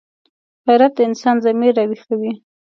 غیرت د انسان ضمیر راویښوي